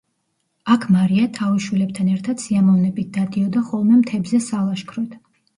აქ მარია თავის შვილებთან ერთად სიამოვნებით დადიოდა ხოლმე მთებზე სალაშქროდ.